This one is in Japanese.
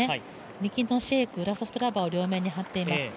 右のシェーク、裏ソフトラバーを両面に貼っています。